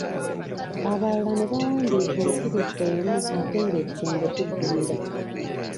Abalala ne bawandiika ensirifu emu nga ate ekigambo kiggumira.